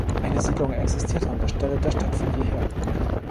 Eine Siedlung existierte an der Stelle der Stadt von jeher.